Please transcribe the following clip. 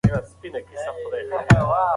ماشوم د خپل پلار غېږې ته په خوښۍ ورغی.